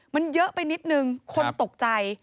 มันเยอะไปนิดนึงคนตกใจ